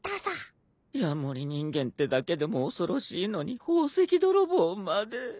ヤモリ人間ってだけでも恐ろしいのに宝石泥棒まで。